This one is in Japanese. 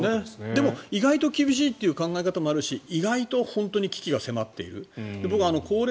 でも意外と厳しいという考え方もあるし意外と本当に危機が迫っている。